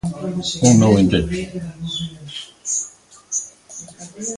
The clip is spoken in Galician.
Un novo intento.